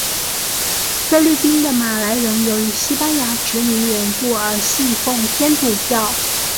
菲律宾的马来人由于西班牙殖民缘故而信奉天主教。